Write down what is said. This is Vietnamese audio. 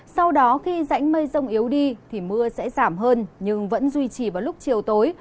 sau đó khi rãnh mây rông yếu đi thì mưa sẽ giảm hơn nhưng vẫn duy trì vào lúc chiều tối